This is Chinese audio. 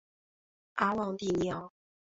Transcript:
阿旺蒂尼昂。